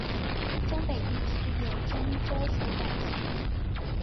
忠北地区由忠州府管辖。